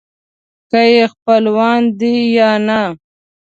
که یې خپلوان دي یا نه.